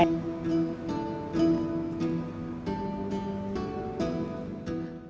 jadi ini sudah bisa dihubungkan dengan kualitas